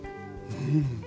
うん。